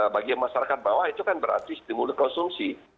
bagi masyarakat bawah itu kan berarti stimulus konsumsi